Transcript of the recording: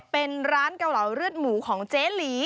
เป็นร้านเกาเหลาเลือดหมูของเจ๊หลี